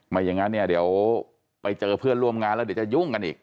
อย่างนั้นเนี่ยเดี๋ยวไปเจอเพื่อนร่วมงานแล้วเดี๋ยวจะยุ่งกันอีก